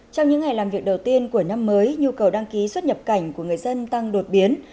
trong những ngày làm việc đầu tiên của năm mới nhu cầu đăng ký xuất nhập cảnh của người dân tăng đột biến